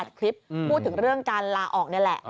คลิปพูดถึงเรื่องการลาออกนี่แหละ